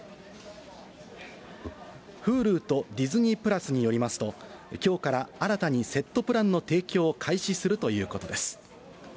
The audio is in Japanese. Ｈｕｌｕとディズニープラスによりますと、きょうから新たにセットプランの提供を開始するということです。